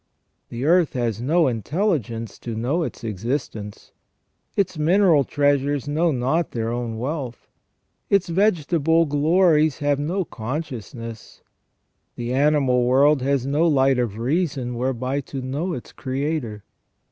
The earth has no in telligence to know its existence ; its mineral treasures know not their own wealth ; its vegetable glories have no consciousness ; the animal world has no light of reason whereby to know its Creator.